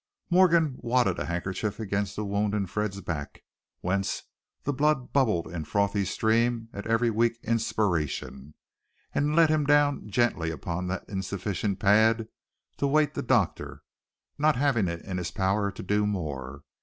Morgan wadded a handkerchief against the wound in Fred's back, whence the blood bubbled in frothy stream at every weak inspiration, and let him down gently upon that insufficient pad to wait the doctor, not having it in his power to do more.